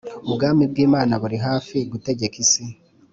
Ubwami bw’Imana buri hafi gutegeka isi